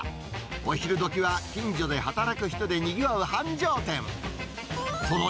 お昼どきは近所で働く人でにぎわう繁盛店。